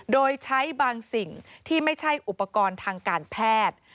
โดยใช้บางสิ่งที่ไม่ใช่อุปกรณ์ทางการแพทย์